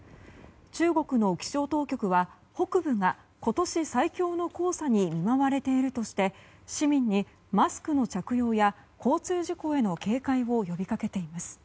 中国の気象当局は北部が今年最強の黄砂に見舞われているとして市民にマスクの着用や交通事故への警戒を呼びかけています。